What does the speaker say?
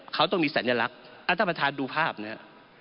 เขาต้องมีสัญลักษณ์อ่ะท่านประธานดูภาพเนี่ย